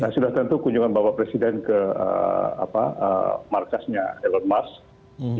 sudah tentu kunjungan bapak presiden ke markasnya elon musk